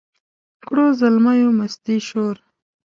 کړو زلمیو مستي شور